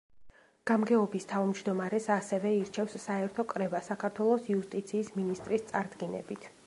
გამგეობის თავმჯდომარეს, ასევე, ირჩევს საერთო კრება საქართველოს იუსტიციის მინისტრის წარდგინებით.